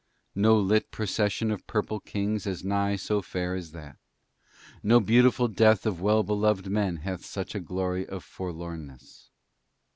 No lit procession of purple kings is nigh so fair as that. No beautiful death of well beloved men hath such a glory of forlornness.